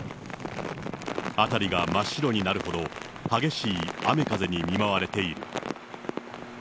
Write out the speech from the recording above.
辺りが真っ白になるほど激しい雨風に見舞われている。